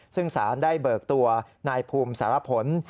ซึ่งสารได้เบิกตัวนายภูมิสารผล